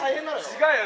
違うよ。